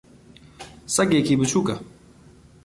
سەگێکی بچووکە.